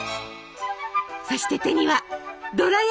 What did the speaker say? そして手にはドラやき！